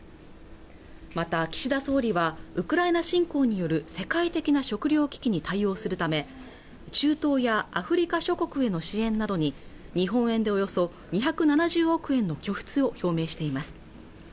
また岸田総理はウクライナ侵攻による世界的な食糧危機に対応するため中東やアフリカ諸国への支援などに日本円でおよそ２７０億円の拠出を表明しています